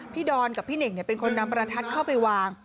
พี่ดอนกับพี่เหน็กเนี่ยเป็นคนนำประทัศน์เข้าไปวาง